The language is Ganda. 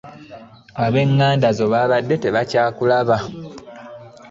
Ab'eŋŋanda zo babadde tebakyakulaba.